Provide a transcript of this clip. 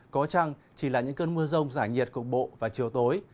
có chăng chỉ là những cơn mưa rông giải nhiệt cục bộ và chiều tối